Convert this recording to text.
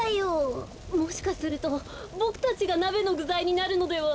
もしかするとボクたちがなべのぐざいになるのでは。